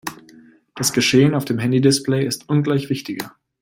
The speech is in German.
Das Geschehen auf dem Handy-Display ist ungleich wichtiger.